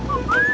gak ada apa apa